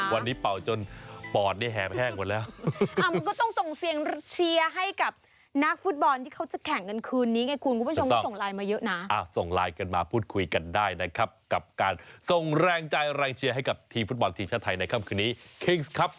วันนี้เปล่าจนปอดเนี่ยแหงแห้งหมดแล้วอ่ามึงก็ต้องส่งเฟียงเชียร์ให้กับนักฟุตบอลที่เขาจะแข่งกันคืนนี้ไงคุณคุณผู้ชมก็ส่งไลน์มาเยอะน่ะอ่าส่งไลน์กันมาพูดคุยกันได้นะครับกับการส่งแรงใจแรงเชียร์ให้กับทีมฟุตบอลทีมชาติไทยนะครับคืนนี้ครึ่งสุดท้ายนะครับคุณผู้ช